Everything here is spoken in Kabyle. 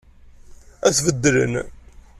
Ad t-beddlen.